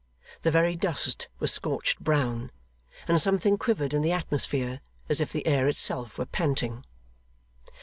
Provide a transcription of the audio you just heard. The very dust was scorched brown, and something quivered in the atmosphere as if the air itself were panting.